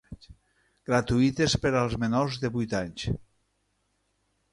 Gratuïtes per als menors de vuit anys.